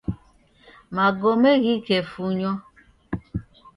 Magome ghikefunywa